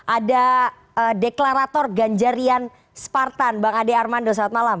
ada deklarator ganjarian spartan bang ade armando selamat malam